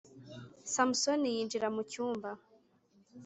Samusoni yinjira mu cyumba